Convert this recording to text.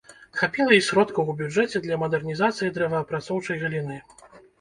Хапіла і сродкаў у бюджэце для мадэрнізацыі дрэваапрацоўчай галіны.